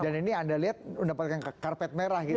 dan ini anda lihat anda mendapatkan karpet merah gitu ya